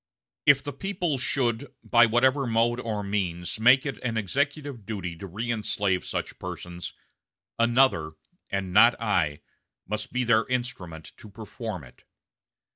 If the people should, by whatever mode or means, make it an executive duty to reënslave such persons, another, and not I, must be their instrument to perform it.